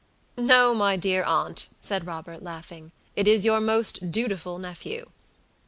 "No, my dear aunt," said Robert, laughing; "it is your most dutiful nephew."